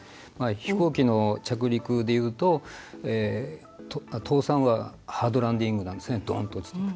飛行機の着陸で言うと倒産はハードランディングなんですね。